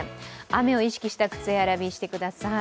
雨を意識した靴選び、してください